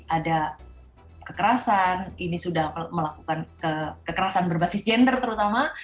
ada kekerasan ini sudah melakukan kekerasan berbasis gender terutama